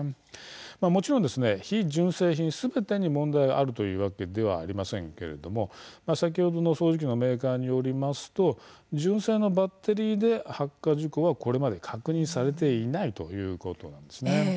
もちろんですね非純正品すべてに問題があるというわけではありませんけれども先ほどの掃除機メーカーによりますと純正のバッテリーで発火事故はこれまで確認されていないということですね。